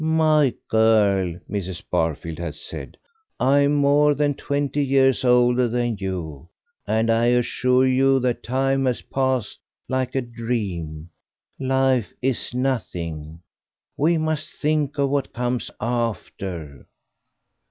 "My girl," Mrs. Barfield had said, "I am more than twenty years older than you, and I assure you that time has passed like a little dream; life is nothing. We must think of what comes after."